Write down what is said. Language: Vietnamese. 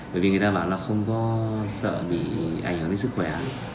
bởi vì người ta bảo là không có sợ bị ảnh hưởng đến sức khỏe